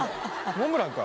モンブランか。